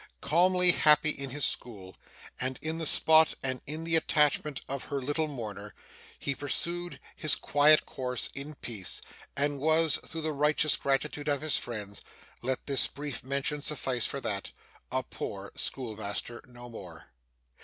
Calmly happy in his school, and in the spot, and in the attachment of Her little mourner, he pursued his quiet course in peace; and was, through the righteous gratitude of his friend let this brief mention suffice for that a POOR school master no more.